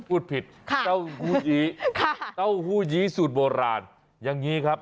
พูดผิดเต้าหู้ยีเต้าหู้ยี้สูตรโบราณอย่างนี้ครับ